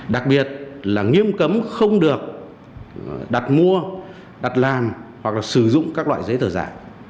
đặc biệt là nghiêm cấm không được đặt mua đặt làm hoặc là sử dụng các loại giấy tờ giả